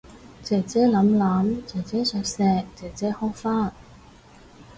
姐姐攬攬，姐姐錫錫，姐姐呵返